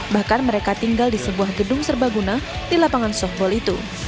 bahkan mereka tinggal di sebuah gedung serbaguna di lapangan softball itu